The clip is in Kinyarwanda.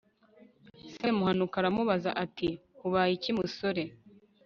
semuhanuka aramubaza, ati ubaye iki musore